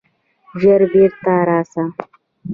ژر بیرته راسه!